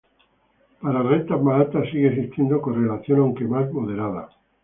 Para rentas más altas sigue existiendo correlación aunque más moderada.